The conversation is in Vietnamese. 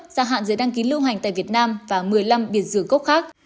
gia hạn giấy đăng ký lưu hành tại việt nam và một mươi năm biệt dược gốc khác